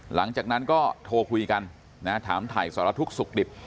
หลังจากนั้นก็โทรคุยกันถามถ่ายสารทุกข์สุขดิบ